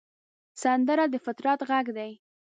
سندره د فطرت غږ دی